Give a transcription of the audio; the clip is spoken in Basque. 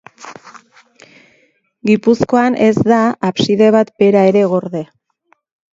Gipuzkoan ez da abside bat bera ere gorde.